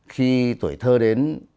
khi tuổi thơ đến